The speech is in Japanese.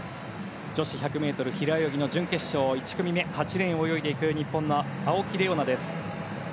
女子１００ｍ平泳ぎの準決勝１組目、８レーンを泳いでいく日本の青木玲緒樹です。